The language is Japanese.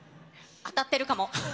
当たってるかも。